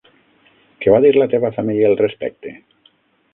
Què va dir la teva família al respecte?